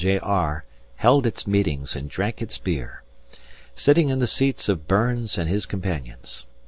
J. R., held its meetings and drank its beer, sitting in the seats of Burns and his companions.